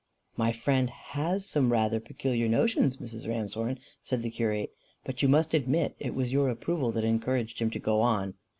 "My friend HAS some rather peculiar notions, Mrs. Ramshorn," said the curate; "but you must admit it was your approval that encouraged him to go on."